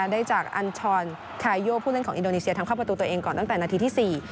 ได้จากอัญชรคาโยผู้เล่นของอินโดนีเซียทำเข้าประตูตัวเองก่อนตั้งแต่นาทีที่๔